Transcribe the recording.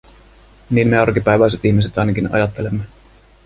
Niin me arkipäiväiset ihmiset ainakin ajattelemme.